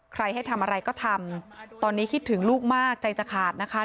ให้ทำอะไรก็ทำตอนนี้คิดถึงลูกมากใจจะขาดนะคะ